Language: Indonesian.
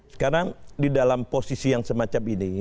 sekarang di dalam posisi yang semacam ini